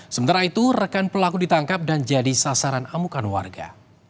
sementara itu rekan pelaku ditangkap dan jadi sasaran amukan warga